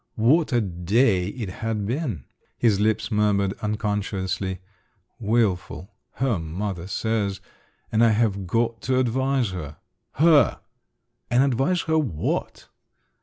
What a day it had been! His lips murmured unconsciously: "Wilful … her mother says … and I have got to advise her … her! And advise her what?"